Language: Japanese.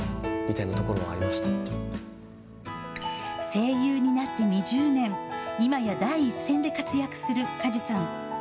声優になって２０年、今や第一線で活躍する梶さん。